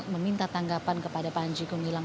meminta tanggapan kepada panji gumilang